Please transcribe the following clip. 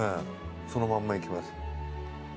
そのまんまいきます。